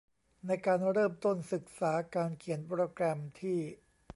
ในการเริ่มต้นศึกษาการเขียนโปรแกรมที่